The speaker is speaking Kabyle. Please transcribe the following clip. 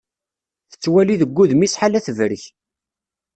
Tettwali deg wudem-is ḥala tebrek.